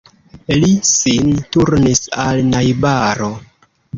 Li sin turnis al najbaro.